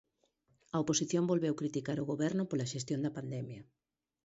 A oposición volveu criticar o Goberno pola xestión da pandemia...